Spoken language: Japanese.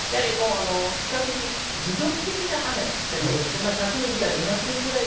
比較的、持続的な雨ということで１００ミリから２００ミリぐらい。